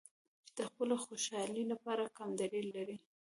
چې د خپلې خوشحالۍ لپاره کم دلیل لري.